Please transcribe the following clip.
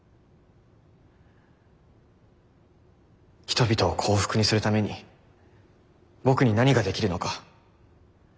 人々を幸福にするために僕に何ができるのか。